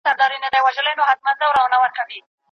چي پر پامیر مي خپل بیرغ بیا رپېدلی نه دی